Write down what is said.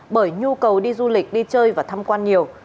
bởi nhu cầu đi du lịch đi chơi và tham quan nhiều